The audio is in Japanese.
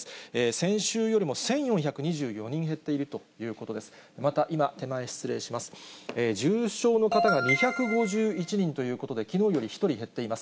先週よりも１４２４人減っているということです。